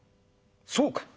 そうか！